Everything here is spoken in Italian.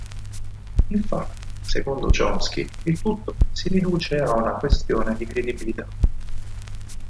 Infatti, secondo Chomsky il tutto si riduce a una questione di credibilità.